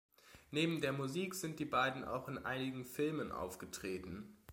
Neben der Musik sind die beiden auch in einigen Filmen aufgetreten.